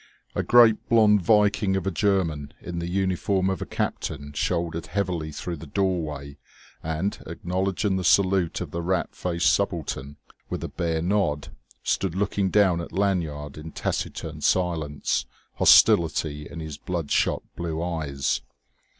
A great blond Viking of a German in the uniform of a captain shouldered heavily through the doorway and, acknowledging the salute of the rat faced subaltern with a bare nod, stood looking down at Lanyard in taciturn silence, hostility in his blood shot blue eyes.